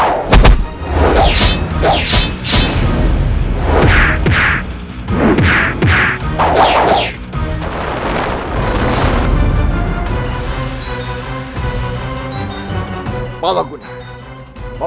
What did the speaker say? sekarang kita serang si liwangi yang kian melemah